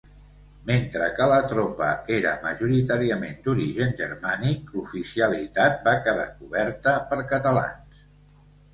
Mentre que la tropa era majoritàriament d'origen germànic, l'oficialitat va quedar coberta per catalans.